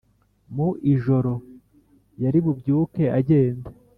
Mu ijoro yari bubyuke agenda,